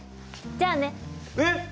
じゃあね。えっ！